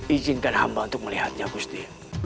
izinkan hamba untuk melihatnya gusti